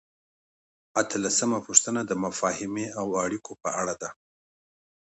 اتلسمه پوښتنه د مفاهمې او اړیکو په اړه ده.